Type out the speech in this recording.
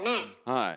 はい。